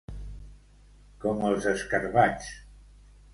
Com els escarabats.